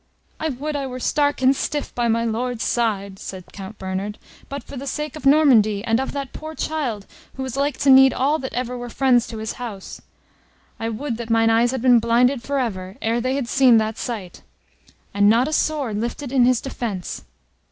"I would I were stark and stiff by my Lord's side!" said Count Bernard, "but for the sake of Normandy, and of that poor child, who is like to need all that ever were friends to his house. I would that mine eyes had been blinded for ever, ere they had seen that sight! And not a sword lifted in his defence!